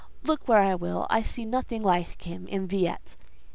Look where I will, I see nothing like him in Villette.